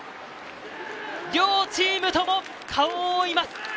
両チームとも顔を覆います。